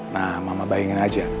nah mama bayangin aja